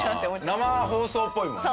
生放送っぽいもんね。